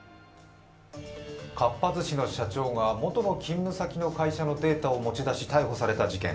かっぱ寿司の社長に元の勤務先のデータを持ち出し、逮捕された事件。